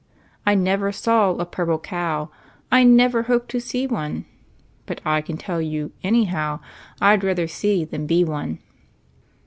_ I never Saw a Purple Cow; I never Hope to See One; But I can Tell you, Anyhow, I'd rather See than Be One.